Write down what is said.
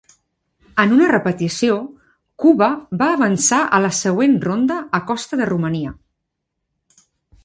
En una repetició, Cuba va avançar a la següent ronda a costa de Romania.